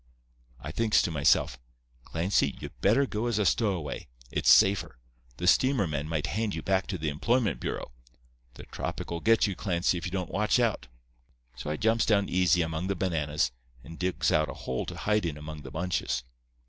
I thinks to myself, 'Clancy, you better go as a stowaway. It's safer. The steamer men might hand you back to the employment bureau. The tropic'll get you, Clancy, if you don't watch out.' "So I jumps down easy among the bananas, and digs out a hole to hide in among the bunches.